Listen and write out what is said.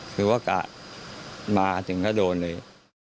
คือว่ากะมาถึงก็โดนเลย